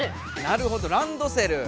なるほどランドセル。